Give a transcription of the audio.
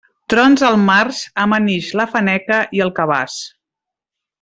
Trons al març, amanix la faneca i el cabàs.